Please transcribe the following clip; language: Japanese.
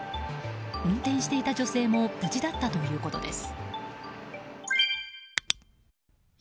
運転していた女性も無事だったということです。